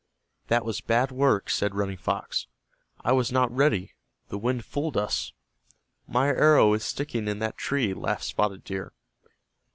"That was bad work," said Running Fox. "I was not ready. The wind fooled us." "My arrow is sticking in that tree," laughed Spotted Deer.